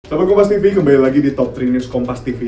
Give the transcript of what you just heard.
selamat datang di kompastv kembali lagi di top tiga news kompastv